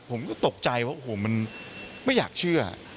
ผมก็ตกใจว่าโอ้โหมันไม่อยากเชื่อ